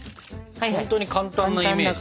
ほんとに簡単なイメージですね。